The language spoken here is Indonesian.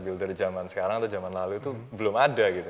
builder jaman sekarang atau jaman lalu itu belum ada gitu